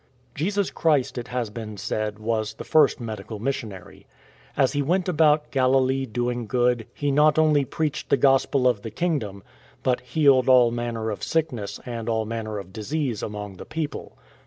Jesus Christ, it has been said, was the first medical missionary. As He went about Galilee doing good, He not only "preached the Gospel of the kingdom,"" but "healed all manner of sickness and all manner of disease among the people.'